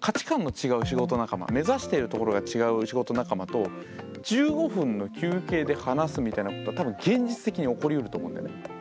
価値観の違う仕事仲間目指しているところが違う仕事仲間と１５分の休憩で話すみたいなことは多分現実的に起こりうると思うんだよね。